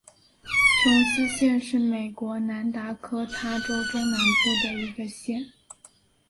琼斯县是美国南达科他州中南部的一个县。